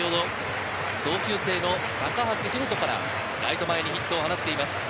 同級生の高橋宏斗からライト前ヒットを放っています。